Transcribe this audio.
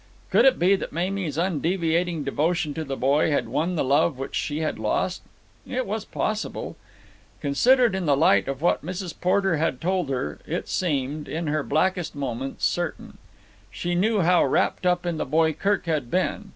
Could it be that Mamie's undeviating devotion to the boy had won the love which she had lost? It was possible. Considered in the light of what Mrs. Porter had told her, it seemed, in her blackest moments, certain. She knew how wrapped up in the boy Kirk had been.